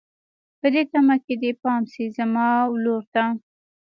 په دې تمه که دې پام شي زما ولور ته